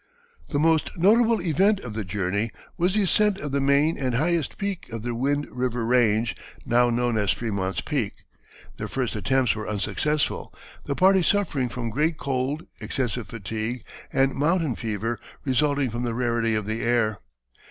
The most notable event of the journey was the ascent of the main and highest peak of the Wind River range, now known as Frémont's Peak. Their first attempts were unsuccessful, the party suffering from great cold, excessive fatigue, and mountain fever resulting from the rarity of the air.